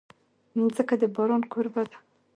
مځکه د باران کوربه ده.